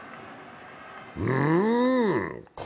うん？